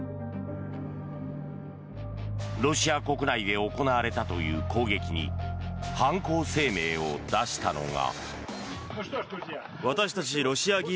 ロシア国内で行われたという攻撃に犯行声明を出したのが。